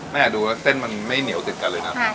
ไม่อยากดูเส้นมันไม่เหนียวติดกันเลยนะครับ